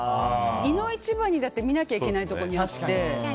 いの一番に見なきゃいけないところにあって。